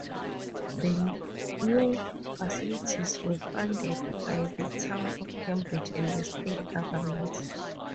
The new facilities were funded by the Town of Cambridge and the State Government.